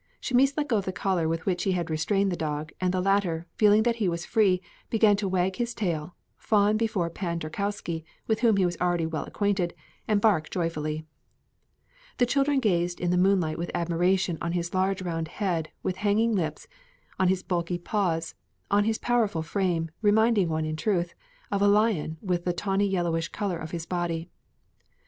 Chamis let go of the collar with which he had restrained the dog, and the latter, feeling that he was free, began to wag his tail, fawn before Pan Tarkowski with whom he was already well acquainted, and bark joyfully. The children gazed in the moonlight with admiration on his large round head with hanging lips, on his bulky paws, on his powerful frame, reminding one, in truth, of a lion with the tawny yellowish color of his body.